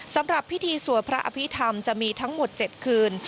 สำหรับพิธีสวดพระอภิษฐรรมจะมีทั้งหมด๗คืน